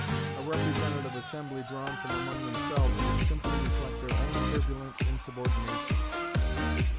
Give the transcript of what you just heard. A representative assembly drawn from among themselves would simply reflect their own turbulent insubordination.